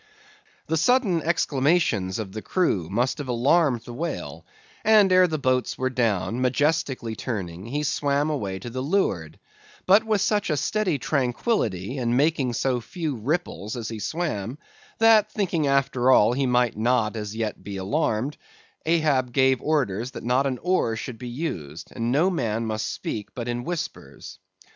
The sudden exclamations of the crew must have alarmed the whale; and ere the boats were down, majestically turning, he swam away to the leeward, but with such a steady tranquillity, and making so few ripples as he swam, that thinking after all he might not as yet be alarmed, Ahab gave orders that not an oar should be used, and no man must speak but in whispers.